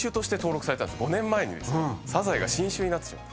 ５年前にサザエが新種になってしまった。